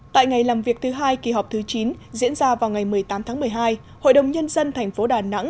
tại ngày làm việc thứ hai kỳ họp thứ chín diễn ra vào ngày một mươi tám tháng một mươi hai hội đồng nhân dân thành phố đà nẵng